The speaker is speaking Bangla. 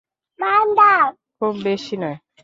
খুব বেশি নয়।